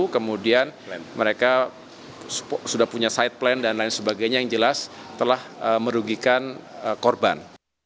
kemudian mereka sudah punya side plan dan lain sebagainya yang jelas telah merugikan korban